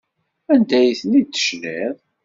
Anda ay ten-id-tecniḍ?